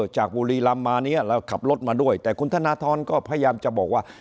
จากบุรีรำมาเนี่ยเราขับรถมาด้วยแต่คุณธนทรก็พยายามจะบอกว่า